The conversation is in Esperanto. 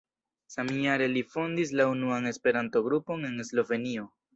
Samjare li fondis la unuan Esperanto-grupon en Slovenio.